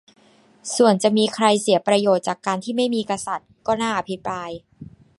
ส่วนจะมีใครเสียประโยชน์จากการที่ไม่มีกษัตริย์ ก็น่าอภิปราย